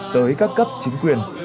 tới các cấp chính quyền